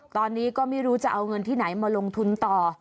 ตอนนี้ก็ไม่รู้จะเอาเงินที่ไหนมาลงทุนต่อ